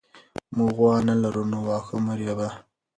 موږ غوا نه لرو نو واښه مه رېبه.